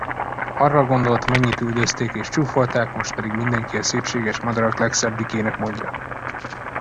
Arra gondolt, mennyit üldözték és csúfolták, most pedig mindenki a szépséges madarak legszebbikének mondja.